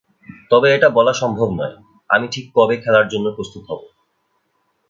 তবে এটা বলা সম্ভব নয়, আমি ঠিক কবে খেলার জন্য প্রস্তুত হব।